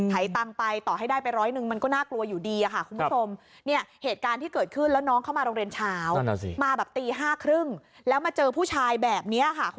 ตังค์ไปต่อให้ได้ไปร้อยหนึ่งมันก็น่ากลัวอยู่ดีค่ะคุณผู้ชมเนี่ยเหตุการณ์ที่เกิดขึ้นแล้วน้องเข้ามาโรงเรียนเช้ามาแบบตี๕๓๐แล้วมาเจอผู้ชายแบบนี้ค่ะ